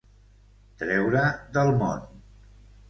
Treure del món.